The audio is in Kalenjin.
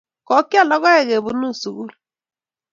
Kokial logoek kepunu sukul